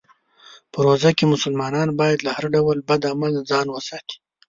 په روژه کې مسلمانان باید له هر ډول بد عمل ځان وساتي.